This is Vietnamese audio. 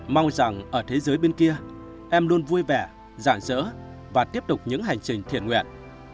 mong rằng ở thế giới bên kia em luôn vui vẻ giảng dỡ và tiếp tục những hành trình thiện nguyện